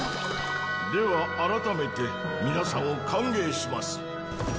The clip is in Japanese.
では改めて皆さんを歓迎します。